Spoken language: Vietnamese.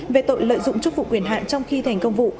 về tội lợi dụng chức vụ quyền hạn trong khi thành công vụ